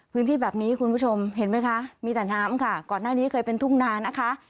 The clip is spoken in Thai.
พื้นที่แบบนี้คุณผู้ชมเห็นไหมคะมีแต่น้ำค่ะก่อนหน้านี้เคยเป็นทุ่งนานะคะ